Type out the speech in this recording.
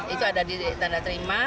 itu ada di tanda terima